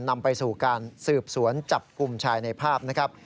นำไปสู่การสืบสวนจับกลุ่มชายในภาพนะครับ